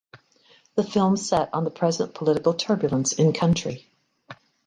The film set on the present political turbulence in country.